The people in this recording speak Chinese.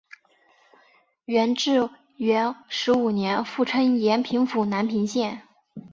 元至元十五年复称延平府南平县。